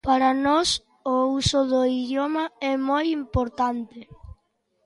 Para nós o uso do idioma é moi importante.